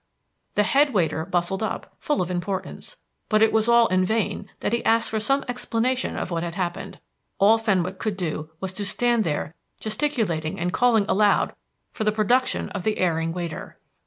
The head waiter bustled up, full of importance; but it was in vain that he asked for some explanation of what had happened. All Fenwick could do was to stand there gesticulating and calling aloud for the production of the erring waiter.